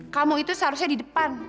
kamu itu seharusnya di depan